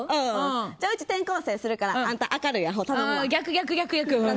じゃあ、うち転校生するからあんた明るいアホ頼むわ。